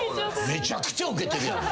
めちゃくちゃウケてるやん。